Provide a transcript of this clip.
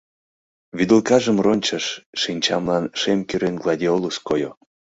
Вӱдылкажым рончыш — шинчамлан шем-кӱрен гладиолус койо.